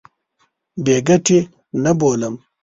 بې ګټې نه بولم.